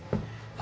あ。